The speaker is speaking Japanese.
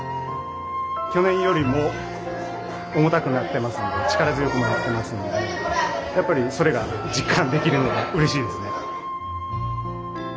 去年よりも重たくなってますんで力強くなってますんでやっぱりそれが実感できるのがうれしいですね。